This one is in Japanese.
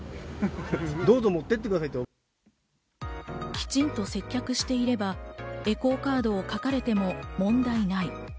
きちんと接客していればエコーカードを書かれても問題ない。